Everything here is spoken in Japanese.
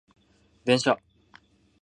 電車